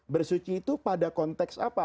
bersuci itu pada konteks apa